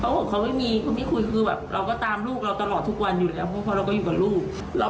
เขาบอกเขาไม่มีคุณไม่คุยคือแบบเราก็ตามลูกเราตลอดทุกวันอยู่แล้วเพราะเราก็อยู่กับลูก